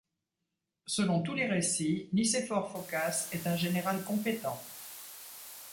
Selon tous les récits, Nicéphore Phocas est un général compétent.